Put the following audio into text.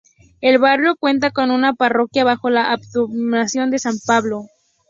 El barrio cuenta con una parroquia bajo la advocación de San Pablo.